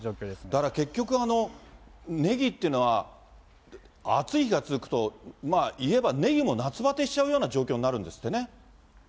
だから結局、ねぎっていうのは、暑い日が続くと、まあ、いえばねぎも夏バテしちゃうような状況になるんですってね。